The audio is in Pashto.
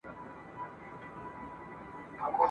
اوږده ورځ کرار کرار پر تېرېدو وه !.